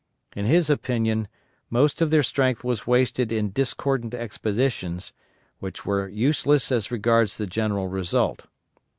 In his opinion most of their strength was wasted in discordant expeditions, which were useless as regards the general result.